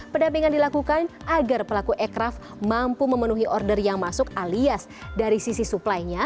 pendampingan dilakukan agar pelaku ekraf mampu memenuhi order yang masuk alias dari sisi suplainya